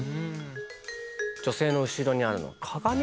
女性の後ろにあるのは鏡？